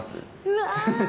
うわ。